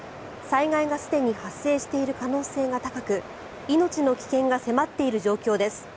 災害がすでに発生している可能性が高く命の危険が迫っている状況です。